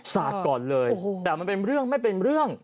สาดก่อนเลยแต่มันเป็นเรื่องไม่เป็นเรื่อง